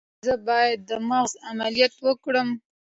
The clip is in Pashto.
ایا زه باید د مغز عملیات وکړم؟